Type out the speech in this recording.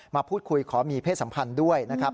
มาพูดคุยขอมีเพศสัมพันธ์ด้วยนะครับ